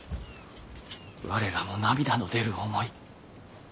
我らも涙の出る思い。